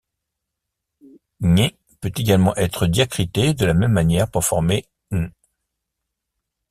う peut également être diacrité de la même manière pour former ゔ.